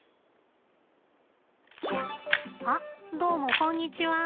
あっどうもこんにちは。